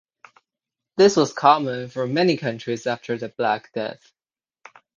This was common for many countries after the Black Death.